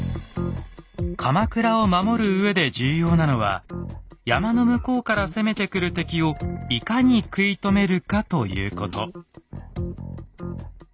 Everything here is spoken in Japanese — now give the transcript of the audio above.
鎌倉を守るうえで重要なのは山の向こうから攻めてくる敵をいかに食い止めるかということ。